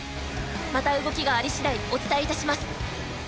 また動きがありしだいお伝えいたします。